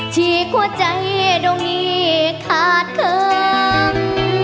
ฉีกหัวใจตรงนี้ขาดเคิง